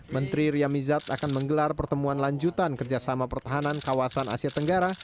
menteri ria mizat akan menggelar pertemuan lanjutan kerjasama pertahanan kawasan asia tenggara